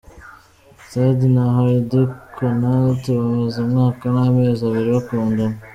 Thandi na Hardy Conaté bamaze umwaka n’amezi abiri bakundana.